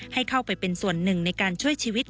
ให้เข้าไปเป็นส่วนหนึ่งในการช่วยชีวิต